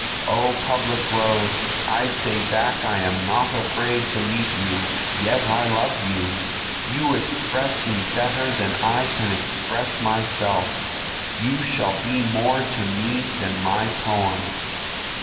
O public road, I say back I am not afraid to leave you, yet I love you, You express me better than I can express myself, You shall be more to me than my poem.